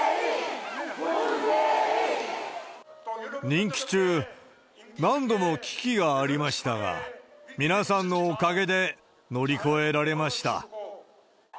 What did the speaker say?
任期中、何度も危機がありましたが、皆さんのおかげで乗り越えられました。